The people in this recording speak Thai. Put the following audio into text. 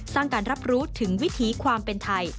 การรับรู้ถึงวิถีความเป็นไทย